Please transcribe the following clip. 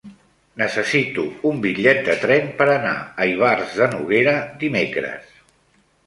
Necessito un bitllet de tren per anar a Ivars de Noguera dimecres.